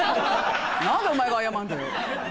何でお前が謝るんだよ。